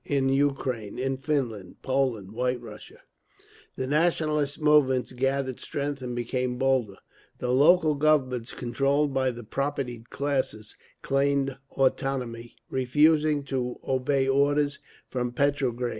In Ukraine, in Finland, Poland, White Russia, the nationalist movements gathered strength and became bolder. The local Governments, controlled by the propertied classes, claimed autonomy, refusing to obey orders from Petrograd.